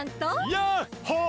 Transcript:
ヤッホー！